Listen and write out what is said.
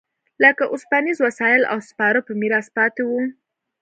لکه اوسپنیز وسایل او سپاره په میراث پاتې و